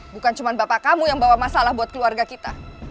bukan cuma bapak kamu yang bawa masalah buat keluarga kita